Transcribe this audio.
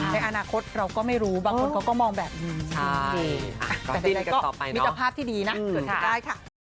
ในอนาคตเราก็ไม่รู้บางคนเขาก็มองแบบแต่ใดก็มิตรภาพที่ดีนะ